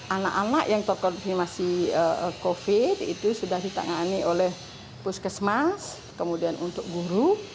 anak anak yang terkonfirmasi covid itu sudah ditangani oleh puskesmas kemudian untuk guru